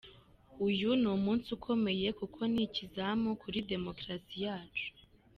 "Uyu ni umunsi ukomeye kuko ni ikizamu kuri demokarasi yacu.